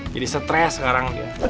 jadi stres sekarang dia